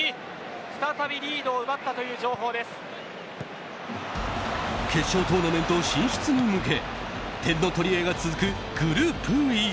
再びリードを奪ったという決勝トーナメント進出に向け点の取り合いが続くグループＥ。